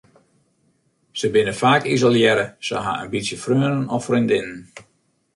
Se binne faak isolearre, se ha in bytsje freonen of freondinnen.